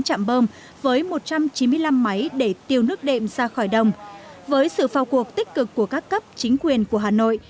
một trăm năm mươi chín trạm bơm với một trăm chín mươi năm máy để tiêu nước đệm ra khỏi đồng với sự phao cuộc tích cực của các cấp chính quyền của hà nội